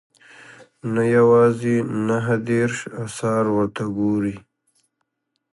نه یوازې نهه دېرش اثار ورته ګوري.